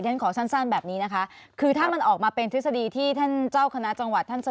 เดี๋ยนขอสั้นแบบนี้นะคะ